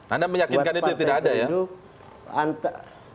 anda meyakinkan itu tidak ada ya